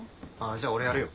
じゃあ俺やるよ。